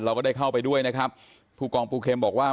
เราก็ได้เข้าไปด้วยนะครับผู้กองปูเข็มบอกว่า